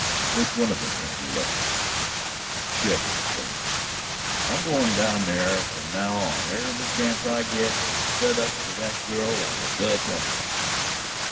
"Which one of them sent you a letter?" "Jedlick, dern him. I'm goin' down there from now on every chance I get and set up to that girl like a Dutch uncle."